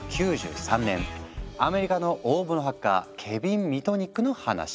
アメリカの大物ハッカーケビン・ミトニックの話。